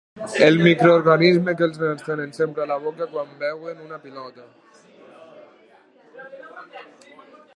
El microorganisme que els nens tenen sempre a la boca quan veuen una pilota.